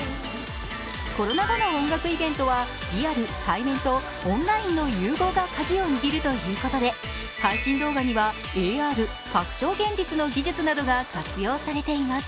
コロナ後の音楽イベントはリアル＝対面とオンラインの融合がカギを握るということでは配信動画にはＡＲ＝拡張現実の技術などが活用されています。